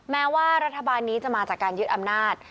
แม้ว่ารัฐบาลนี้จะมาจากการยึดอำนาจ